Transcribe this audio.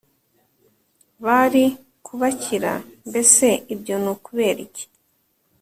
bari kubakira mbese ibyo ni ukubera iki ?